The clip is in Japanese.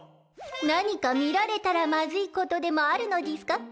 何か見られたらまずいことでもあるのでぃすか？